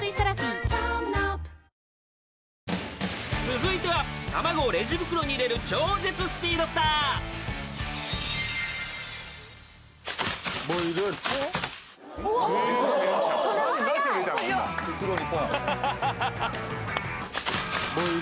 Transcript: ［続いては卵をレジ袋に入れる超絶スピードスター］・袋にポン！